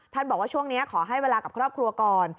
บอกว่าช่วงนี้ขอให้เวลากับครอบครัวก่อน